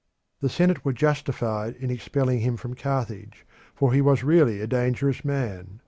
The senate were justified in expelling him from Carthage, for he was really a dangerous man.